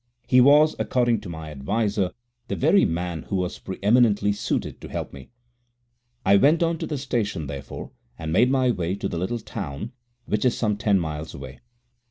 He was, according to my adviser, the very man who was pre eminently suited to help me. I went on to the station, therefore, and made my way to the little town, which is some ten miles away.